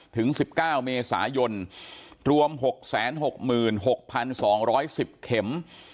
ถึงสิบเก้าเมษายนรวมหกแสนหกหมื่นหกพันสองร้อยสิบเข็ม